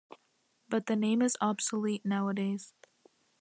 But the name is obsolete nowadays.